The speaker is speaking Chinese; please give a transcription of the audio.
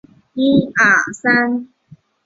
儿子王骁也进军娱乐圈。